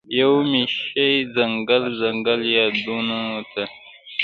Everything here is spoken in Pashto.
یومي شي ځنګل، ځنګل یادونوته